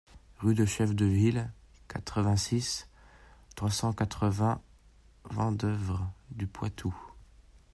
Rue de Chef de Ville, quatre-vingt-six, trois cent quatre-vingts Vendeuvre-du-Poitou